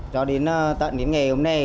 cho đến ngày hôm nay